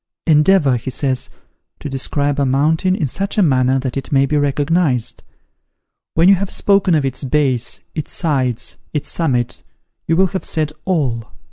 "Endeavour," he says, "to describe a mountain in such a manner that it may be recognised. When you have spoken of its base, its sides, its summit, you will have said all!